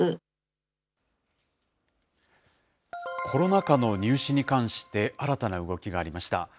コロナ禍の入試に関して、新たな動きがありました。